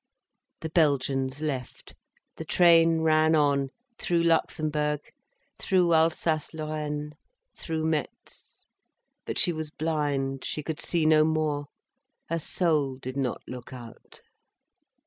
The Belgians left, the train ran on, through Luxembourg, through Alsace Lorraine, through Metz. But she was blind, she could see no more. Her soul did not look out.